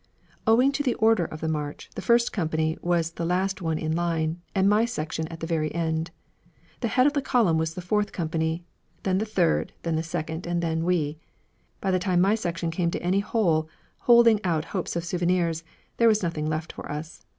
Owing to the order of march, the first company was the last one in line, and my section at the very end. The head of the column was the fourth company, then the third, then the second, and then we. By the time my section came to any hole holding out hopes of souvenirs, there was nothing left for us.